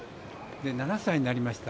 ７歳になりました。